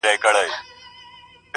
انساني وجدان ګډوډ پاتې کيږي تل